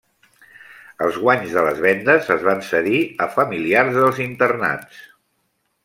Els guanys de les vendes es van cedir a familiars dels internats.